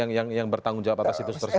yang bertanggung jawab atas situs tersebut